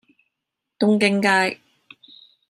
東京街